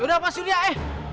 sudah pak suria eh